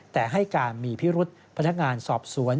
แต่ให้การมีพิรุษพนักงานสอบสวน